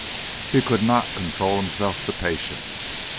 He could not control himself to patience.